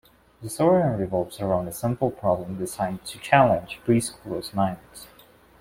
The storyline revolves around simple problems designed to challenge pre schoolers' minds.